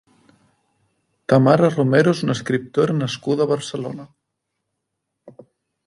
Tamara Romero és una escriptora nascuda a Barcelona.